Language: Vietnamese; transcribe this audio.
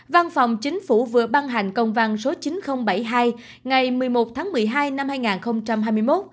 văn phòng chính phủ vừa ban hành công văn số chín nghìn bảy mươi hai ngày một mươi một tháng một mươi hai năm hai nghìn hai mươi một